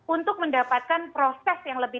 untuk mendapatkan proses yang lebih